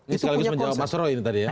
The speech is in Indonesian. ini sekaligus menjawab mas roy ini tadi ya